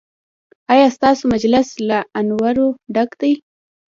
ایا ستاسو مجلس له انوارو ډک دی؟